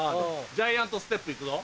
ジャイアントステップいくぞ。